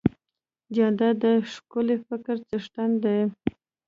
جانداد د ښکلي فکر څښتن دی.